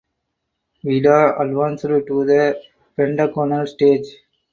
Vida advanced to the Pentagonal stage.